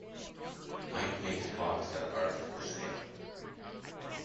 Mike makes blocks that are for sale.